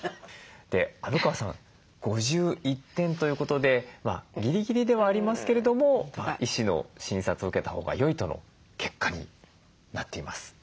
で虻川さん５１点ということでギリギリではありますけれども医師の診察を受けたほうがよいとの結果になっています。